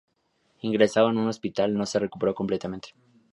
Ingresado en un hospital, no se recuperó completamente.